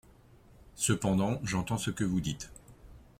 Cependant, j’entends ce que vous dites.